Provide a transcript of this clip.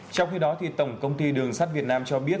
trong khi đó tổng công ty đường sắt việt nam cho biết